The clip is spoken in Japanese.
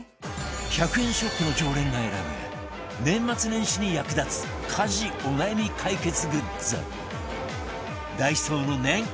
１００円ショップの常連が選ぶ年末年始に役立つ家事お悩み解決グッズダイソーの年間